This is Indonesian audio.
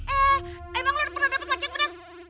eh emang lo udah pernah dapet laki yang bener